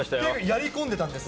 やり込んでたんですか？